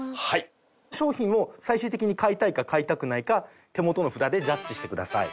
商品を最終的に買いたいか買いたくないか手元の札でジャッジしてください。